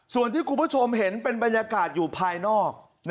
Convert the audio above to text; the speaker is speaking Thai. ส่วนที่คุณผู้ชมเห็นเป็นบรรยากาศอยู่ภายนอก